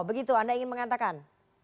begitu anda ingin mengatakan